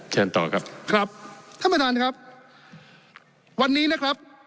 เชิญต่อครับครับท่านประธานครับวันนี้นะครับ